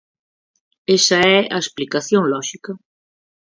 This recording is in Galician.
Esa é a explicación lóxica.